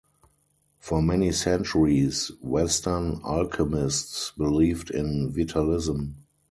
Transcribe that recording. For many centuries, Western alchemists believed in vitalism.